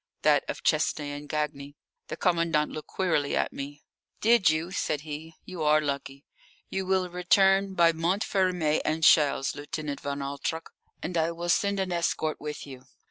"That of Chesnay and Gagny." The commandant looked queerly at me. "Did you?" said he. "You are lucky. You will return by Montfermeil and Chelles, Lieutenant von Altrock, and I will send an escort with you.